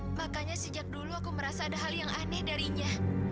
makanya sejak dulu aku merasa ada hal yang aneh darinya